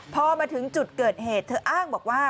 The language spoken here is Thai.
พอมาถึงจุดเกิดเหตุเธออ้างบอกว่า